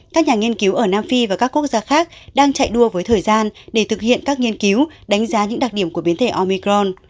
các nhà nghiên cứu ở nam phi và các quốc gia khác đang chạy đua với thời gian để thực hiện các nghiên cứu đánh giá những đặc điểm của biến thể omicron